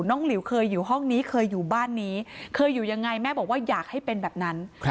หลิวเคยอยู่ห้องนี้เคยอยู่บ้านนี้เคยอยู่ยังไงแม่บอกว่าอยากให้เป็นแบบนั้น